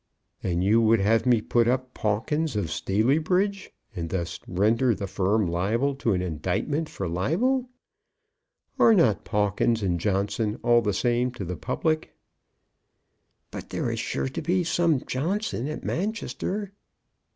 "And you would have me put up 'Pawkins of Staleybridge,' and thus render the firm liable to an indictment for libel? Are not Pawkins and Johnson all the same to the public?" "But there is sure to be some Johnson at Manchester."